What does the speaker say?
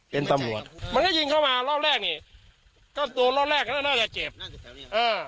เป็นตำรวจมันก็ยิงเข้ามารอบแรกนี่ก็โดนรอบแรกก็น่าจะเจ็บน่าจะเออ